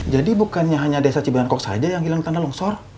jadi bukannya hanya desa cibirankok saja yang hilang tanda longsor